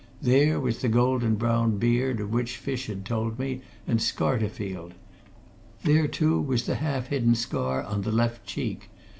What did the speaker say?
There was the golden brown beard of which Fish had told me and Scarterfield; there, too, was the half hidden scar on the left cheek.